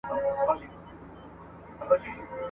انسان د خپل همناستي له خوی څخه رنګ اخلي.